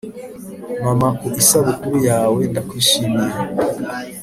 mama, ku isabukuru yawe, ndakwishimiye